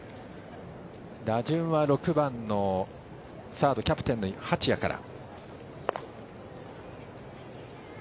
打順は６番のサードキャプテンの八谷から。